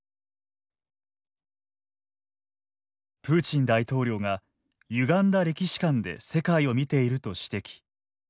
プーチン大統領がゆがんだ歴史観で世界を見ていると指摘。